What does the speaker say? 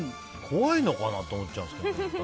怖いのかな？と思っちゃうんですけど。